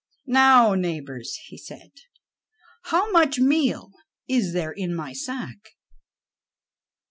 "Now, neighbors," he said, "how much meal is there in my sack?"